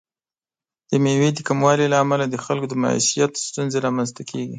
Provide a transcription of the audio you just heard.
د میوې د کموالي له امله د خلکو د معیشت ستونزې رامنځته کیږي.